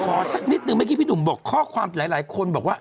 สักนิดนึงเมื่อกี้พี่หนุ่มบอกข้อความหลายคนบอกว่า